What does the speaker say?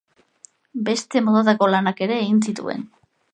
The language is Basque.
Beste motatako lanak ere egin zituen.